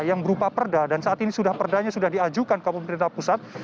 yang berupa perda dan saat ini perdanya sudah diajukan ke pemerintah pusat